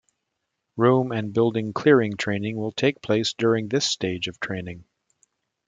Room and building clearing training will take place during this stage of training.